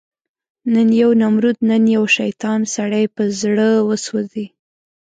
نن یو نمرود، نن یو شیطان، سړی په زړه وسوځي